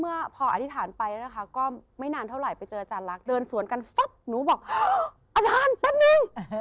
เมื่อพออธิษฐานไปนะคะก็ไม่นานเท่าไหร่ไปเจออาจารย์ลักษณ์เดินสวนกันปั๊บหนูบอกอาจารย์แป๊บนึง